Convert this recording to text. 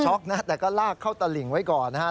นะแต่ก็ลากเข้าตลิ่งไว้ก่อนนะฮะ